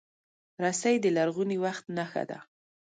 رسۍ د لرغوني وخت نښه ده.